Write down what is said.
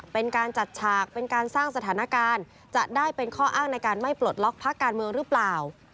เป็นการสร้างสถานการณ์จะได้เป็นข้ออ้างในการไม่ปลดล็อกพระการเมืองหรือเปล่า